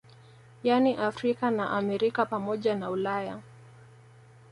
Yani Afrika na Amerika pamoja na Ulaya